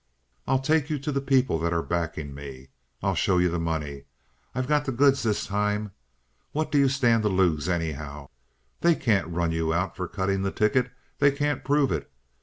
I'll take you to the people that are backing me. I'll show you the money. I've got the goods this time. What do you stand to lose, anyhow? They can't run you out for cutting the ticket. They can't prove it.